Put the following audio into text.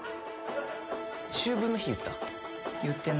秋分の日言った？